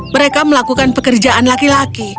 mereka melakukan pekerjaan laki laki